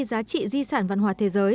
giá trị di sản văn hóa thế giới